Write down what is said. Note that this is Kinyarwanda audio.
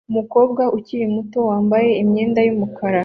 Umukobwa ukiri muto wambaye imyenda yumukara